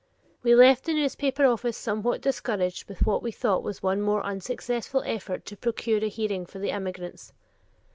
We left the newspaper office somewhat discouraged with what we thought one more unsuccessful effort to procure a hearing for the immigrants.